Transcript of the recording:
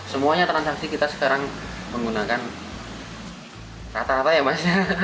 semuanya transaksi kita sekarang menggunakan rata rata ya mas